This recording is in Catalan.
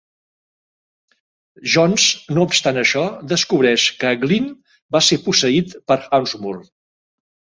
Jones, no obstant això, descobreix que Agglin va ser posseït per Hawksmoor.